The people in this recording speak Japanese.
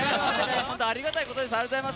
本当ありがたいことです。